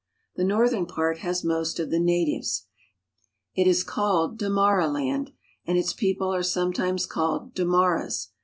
The northern part has most of the natives. It is called Damaraland ( da ma' ra land), and its people are sometimes called Damaras.